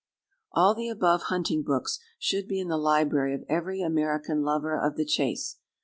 All the above hunting books should be in the library of every American lover of the chase.